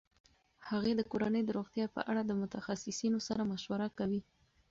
هغې د کورنۍ د روغتیا په اړه د متخصصینو سره مشوره کوي.